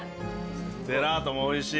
ジェラートおいしい。